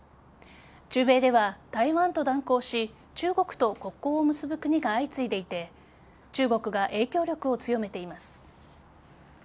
中米では台湾と断交し中国と国交を結ぶ国が相次いでいて中国が影響力を強めています。